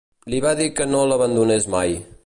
Li va dir que no l'abandonés mai.